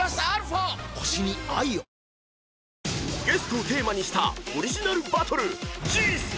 ［ゲストをテーマにしたオリジナルバトル］